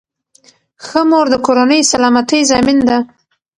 ښه مور د کورنۍ سلامتۍ ضامن ده.